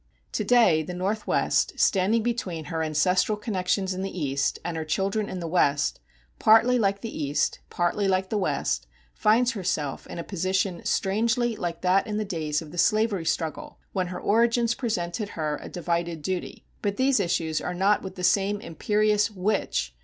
To day, the Northwest, standing between her ancestral connections in the East and her children in the West, partly like the East, partly like the West, finds herself in a position strangely like that in the days of the slavery struggle, when her origins presented to her a "divided duty." But these issues are not with the same imperious "Which?"